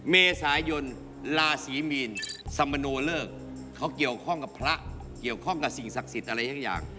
เมษายนลาศรีมีนสมโนเลิกเขาเกี่ยวข้องกับพระเกี่ยวข้องกับสิ่งศักดิ์สิทธิ์อะไรสักอย่าง